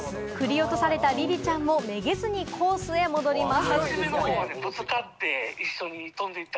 ふり落とされたリリちゃんもめげずにコースへ戻ります。